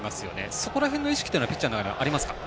そこら辺の意識はピッチャーの中にありますか？